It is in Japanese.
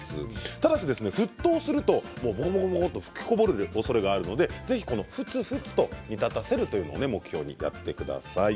ただし、沸騰すると吹きこぼれるおそれがあるのでふつふつと煮立たせるというのを目標にやってください。